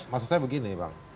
maksud saya begini